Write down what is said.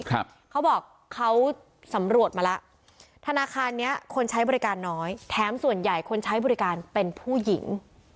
เขาบอกเขาสำรวจมาแล้วธนาคารเนี้ยคนใช้บริการน้อยแถมส่วนใหญ่คนใช้บริการเป็นผู้หญิง